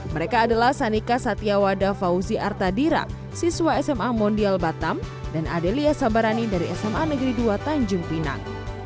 mereka adalah sanika satyawada fauzi artadira siswa sma mondial batam dan adelia sabarani dari sma negeri dua tanjung pinang